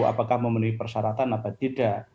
apakah memenuhi persyaratan atau tidak